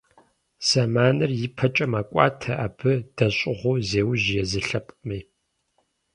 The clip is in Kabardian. Зэманыр ипэкӀэ мэкӀуатэ, абы дэщӀыгъуу зеужь езы лъэпкъми.